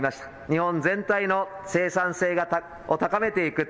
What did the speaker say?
日本全体の生産性を高めていく。